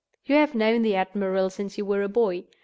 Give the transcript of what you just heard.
You have known the admiral since you were a boy.